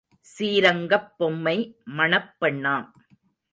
சீரங்கப் பொம்மை மணப்பெண்ணாம்.